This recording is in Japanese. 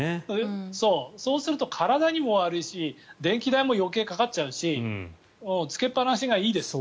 そうすると体にも悪いし電気代も余計かかっちゃうしつけっぱなしがいいです。